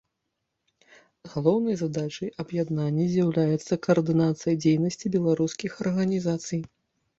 Галоўнай задачай аб'яднання з'яўляецца каардынацыя дзейнасці беларускіх арганізацый.